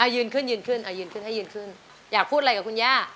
ยืนขึ้นอยากพูดอะไรกับคุณย่า